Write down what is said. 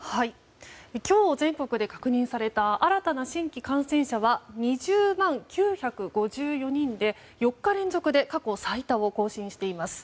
今日、全国で確認された新たな新規感染者は２０万９５４人で４日連続で過去最多を更新しています。